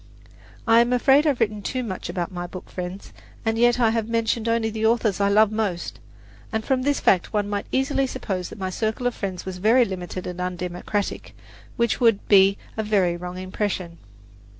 I am afraid I have written too much about my book friends, and yet I have mentioned only the authors I love most; and from this fact one might easily suppose that my circle of friends was very limited and undemocratic, which would be a very wrong impression.